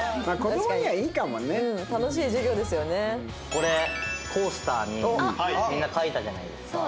これコースターにみんな書いたじゃないですか。